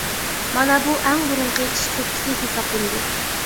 مانا بۇ ئەڭ بۇرۇنقى چىش چوتكىسى ھېسابلىنىدۇ.